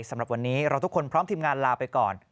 สำหรับวันนี้เราทุกคนพร้อมทีมงานลาไปก่อน